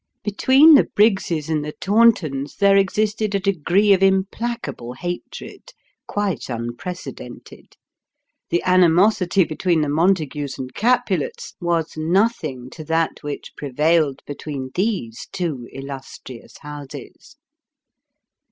Between the Briggses and the Tauntons there existed a degree of implacable hatred, quite unprecedented. The animosity between the Montagues and Capulets, was nothing to that which prevailed between these two illustrious houses.